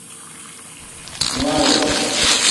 Wawrgu.